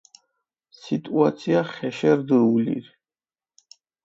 სიტუაცია ხეშე რდჷ ულირი.